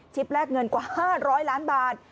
แลกเงินกว่า๕๐๐ล้านบาท